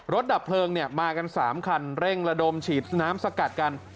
ดับเพลิงมากัน๓คันเร่งระดมฉีดน้ำสกัดกัน